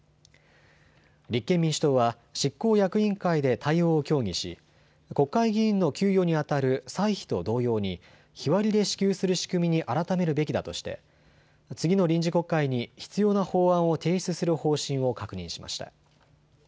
立憲民主党は執行役員会で対応を協議し国会議員の給与にあたる歳費と同様に日割りで支給する仕組みに改めるべきだとして次の臨時国会に必要な法案を提出する方針を確認しました。